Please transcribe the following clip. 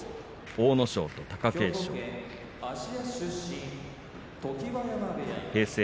阿武咲と貴景勝、土俵上。